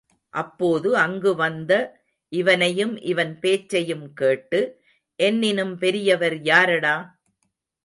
அப்போது அங்கு வந்த இவனையும், இவன் பேச்சையும் கேட்டு, என்னினும் பெரியவர் யாரடா?